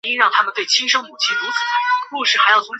母上官氏。